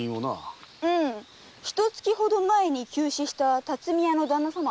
ひと月ほど前に急死した巽屋の旦那様。